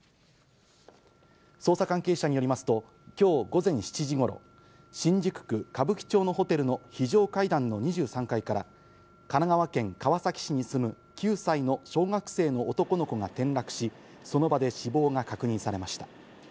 捜査関係者によりますと、きょう午前７時ごろ、新宿区歌舞伎町のホテルの非常階段の２３階から、神奈川県川崎市に住む９歳の小学生の男の子が転落し、その場で死亡が確認されました。